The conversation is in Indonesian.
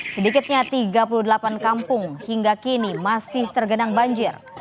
sedikitnya tiga puluh delapan kampung hingga kini masih tergenang banjir